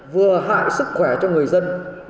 vừa hại sức khỏe cho người dân